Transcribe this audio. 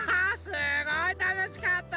すごいたのしかった。